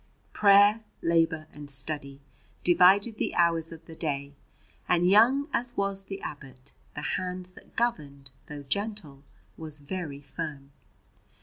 Prayer, labour, and study divided the hours of the day, and young as was the abbot, the hand that governed, though gentle, was very firm.